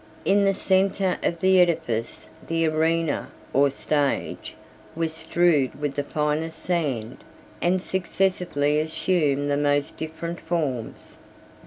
In the centre of the edifice, the arena, or stage, was strewed with the finest sand, and successively assumed the most different forms.